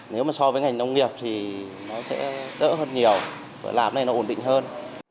nếu mà so với ngành nông nghiệp thì nó sẽ đỡ hơn nhiều và làm này nó ổn định hơn